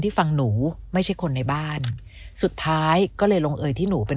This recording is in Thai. ฟังหนูไม่ใช่คนในบ้านสุดท้ายก็เลยลงเอยที่หนูเป็น